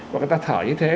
và người ta thở như thế